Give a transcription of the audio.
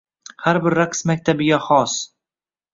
Har bir raqs maktabiga xos